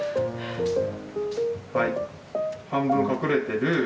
はい半分隠れてる。